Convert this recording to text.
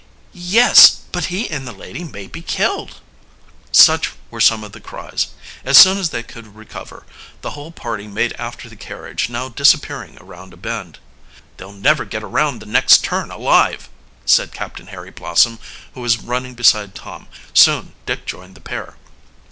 "Yes, but he and the lady may be killed!" Such were some of the cries. As soon as they could recover, the whole party made after the carriage, now disappearing around a bend. "They'll never get around the next turn alive!" said Captain Harry Blossom, who was running beside Tom. Soon Dick joined the pair.